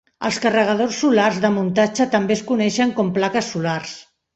Els carregadors solars de muntatge també es coneixen com plaques solars.